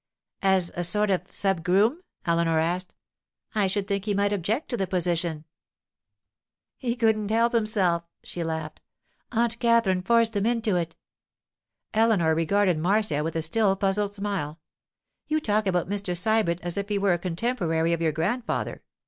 'As a sort of sub groom?' Eleanor asked. 'I should think he might object to the position.' 'He couldn't help himself!' she laughed. 'Aunt Katherine forced him into it.' Eleanor regarded Marcia with a still puzzled smile. 'You talk about Mr. Sybert as if he were a contemporary of your grandfather.